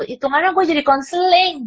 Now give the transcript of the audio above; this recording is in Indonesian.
itungannya gue jadi konseling